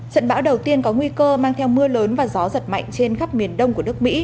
trận bão đầu tiên có nguy cơ mang theo mưa lớn và gió giật mạnh trên khắp miền đông của nước mỹ